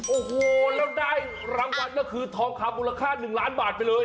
โอ้โหแล้วได้รางวัลก็คือทองคำมูลค่า๑ล้านบาทไปเลย